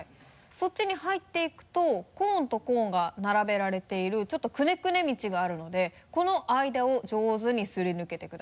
そっちに入っていくとコーンとコーンが並べられているちょっとクネクネ道があるのでこのあいだを上手にすり抜けてください。